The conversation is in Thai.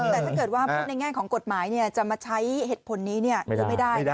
แต่ถ้าเกิดว่าพูดในแง่ของกฎหมายจะมาใช้เหตุผลนี้จะไม่ได้นะ